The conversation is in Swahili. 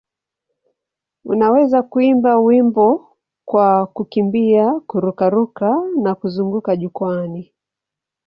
Unawezaje kuimba wimbo kwa kukimbia, kururuka na kuzunguka jukwaani?